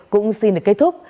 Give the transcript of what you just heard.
cũng xin được kết thúc